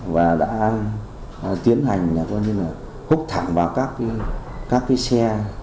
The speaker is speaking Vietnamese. và đã tiến hành hút thẳng vào các xe